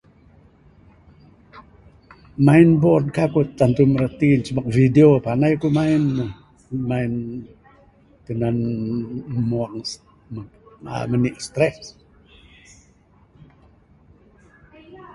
Main bol kaik ku tantu mirati ne ceh pak video ne panai ku main ne. Main tinan umon, uhh kai ne mani'k stress.